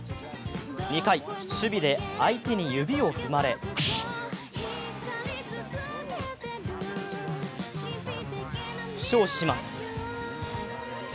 ２回、守備で相手に指を踏まれ負傷します。